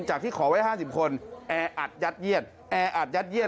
จากที่ขอไว้๕๐คนแออัดยัดเยี่ยน